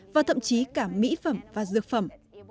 và thậm chí cả mỹ phẩm và dược phẩm